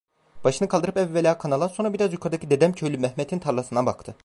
Başını kaldırıp evvela kanala, sonra biraz yukarıdaki Dedemköylü Mehmet'in tarlasına baktı.